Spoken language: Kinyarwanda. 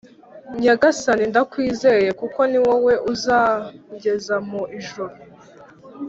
Nyagasani ndakwizeye kuko niwowe uzangeza mu ijuru